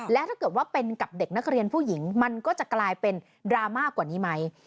และถ้าเกิดว่าเป็นกับเด็กนักเรียนผู้หญิงมันก็จะกลายเป็นดราม่ากว่านี้ไหม